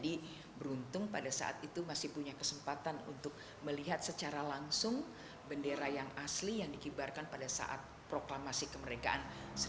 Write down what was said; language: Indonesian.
jadi beruntung pada saat itu masih punya kesempatan untuk melihat secara langsung bandara yang asli yang dikibarkan pada saat proklamasi kemerdekaan seribu sembilan ratus empat puluh lima